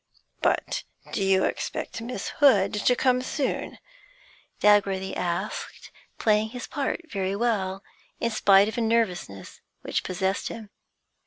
'But do you expect Miss Hood to come soon?' Dagworthy asked, playing his part very well, in spite of a nervousness which possessed him.